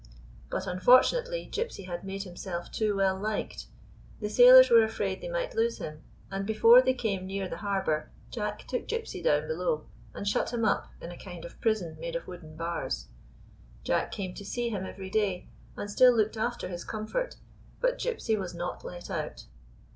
But, unfortunately, Gypsy had made himselt too well liked. The sailors were afraid they might lose him; and before they came near their harbor Jack took Gypsy down below, and shut him up in a kind of prison made of wooden bars. Jack came to see him every day, and still looked after his comfort; but Gypsy was not let out.